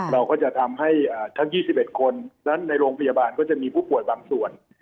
เราก็จะทำให้ทั้ง๒๑คนนั้นในโรงพยาบาลก็จะมีผู้ป่วยบางส่วน